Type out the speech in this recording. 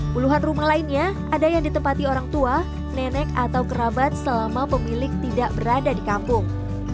puluhan rumah lainnya ada yang ditempati orang tua nenek atau kerabat selama pemilik tidak berada di kampung